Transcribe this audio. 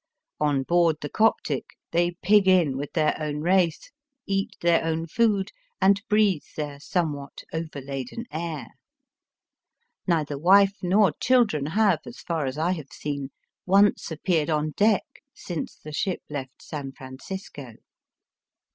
On board the Coptic they pig in with their own race, eat their food, and breathe their somewhat overladen air. Neither wife nor children have, as far as I have seen, once appeared on deck since the ship left San Francisco.